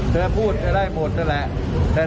เธอพูดอาจจะได้หมดด้วยนั่นแหละ